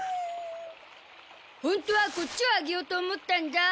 ホントはこっちをあげようと思ったんだ。